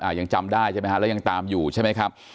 ยังจำได้ใช่ไหมฮะแล้วยังตามอยู่ใช่ไหมครับ